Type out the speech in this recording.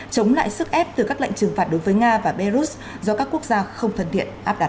chống lại sức ép từ các lệnh trừng phạt đối với nga và belarus do các quốc gia không thân thiện áp đặt